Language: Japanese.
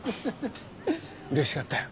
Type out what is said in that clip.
うれしかったよ。